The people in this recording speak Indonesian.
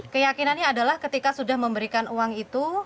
keyakinannya adalah ketika sudah memberikan uang itu